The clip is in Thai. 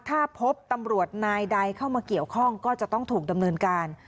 ถ้าพบตำรวจนายใดเข้ามาเกี่ยวข้องก็จะต้องถูกดำเนินการ